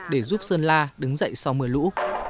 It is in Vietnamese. để giúp sơn la đứng dậy sau mưa lũ